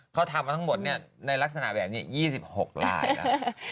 เขาทำมาทั้งหมดเนี่ยในลักษณะแบบนี้๒๖รายล่ะ